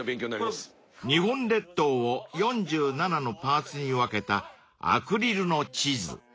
［日本列島を４７のパーツに分けたアクリルの地図］